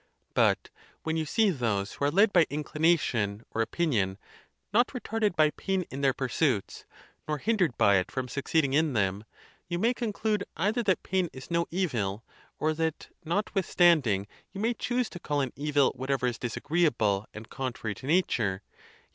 But when you see those who are led by inclination or opinion, not retarded by pain in their pursuits, nor hin dered by it from succeeding in them, you may conclude, either that pain is no evil, or that, notwithstanding you may choose to call an evil whatever is disagreeable and contrary to nature, yet.